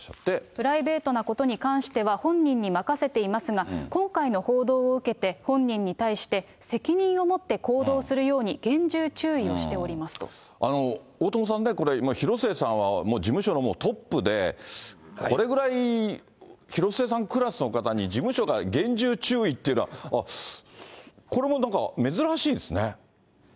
プライベートなことに関しては本人に任せていますが、今回の報道を受けて、本人に対して責任を持って行動するように、大友さんね、広末さんはもう事務所のトップで、これぐらい広末さんクラスの方に事務所が厳重注意っていうのは、これもなんか珍しいですね。